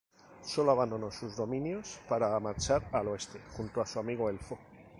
Sólo abandonó sus dominios para marchar al oeste junto a su amigo elfo.